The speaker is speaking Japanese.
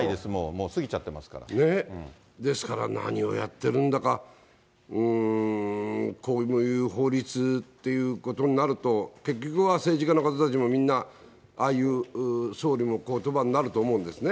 もう過ぎちですから、何をやってるんだか、うーん、こういう法律っていうことになると、結局は政治家の方たちも、みんな、ああいう総理のことばになると思うんですね。